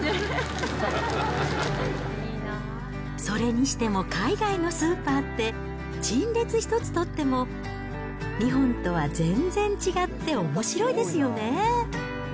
それにしても海外のスーパーって、陳列一つ取っても、日本とは全然違っておもしろいですよね。